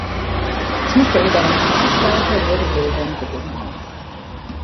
Zuständiger Referatsleiter wurde Wilhelm Gronau.